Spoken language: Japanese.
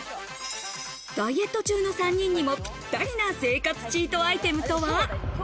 ダイエット中の３人にもぴったりな生活チートアイテムとは？